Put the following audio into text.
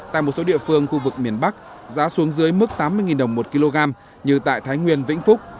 tại một số địa phương khu vực miền bắc giá xuống dưới mức tám mươi đồng một kg như tại thái nguyên vĩnh phúc